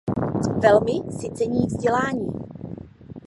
Velmi si cení vzdělání.